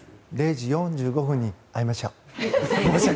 ０時４５分に会いましょう。